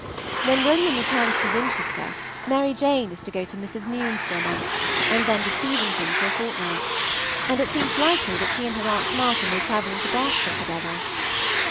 When William returns to Winchester Mary Jane is to go to Mrs. Nune's for a month, and then to Steventon for a fortnight, and it seems likely that she and her aunt Martha may travel into Berkshire together.